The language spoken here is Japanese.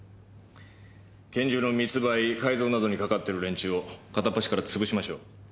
拳銃の密売改造などにかかわってる連中を片っ端から潰しましょう。